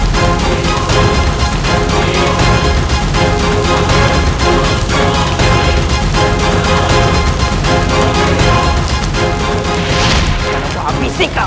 kau sudah habisi kamu